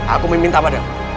aku meminta padamu